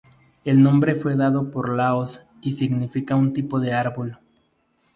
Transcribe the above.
El nombre fue dado por Laos y significa un tipo de árbol.